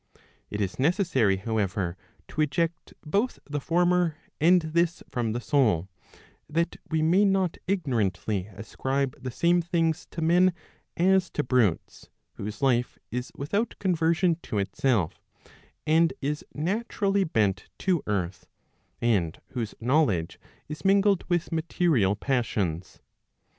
It is necessary however to eject both the former and this from the soul, that we may not ignorantly ascribe the same things to men as to brutes, whose life is without conversion to itself, and is naturally bent to earth, and whose knowledge is mingled with material passions.